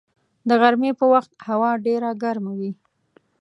د غرمې په وخت هوا ډېره ګرمه وي